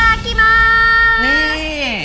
อิตาลากิมัส